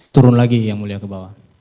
turun lagi yang mulia ke bawah